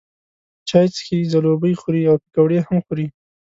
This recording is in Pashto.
چای څښي، ځلوبۍ خوري او پیکوړې هم خوري.